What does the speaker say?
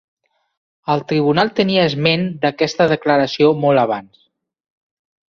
El tribunal tenia esment d'aquesta declaració molt abans.